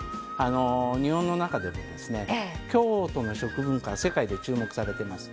日本の中でもですね京都の食文化は世界で注目されてます。